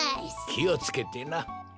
きをつけてな。